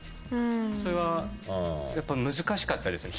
それはやっぱ難しかったですね。